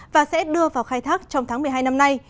và sẽ đưa vào khai thác trong tháng một mươi hai năm nay